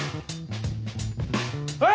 はい！